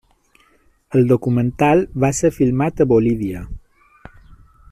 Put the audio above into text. El documental va ser filmat a Bolívia.